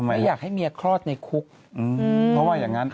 ไม่อยากให้เมียคลอดในคุกเพราะว่าอย่างนั้น